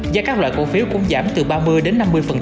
giá các loại cổ phiếu cũng giảm từ ba mươi đến năm mươi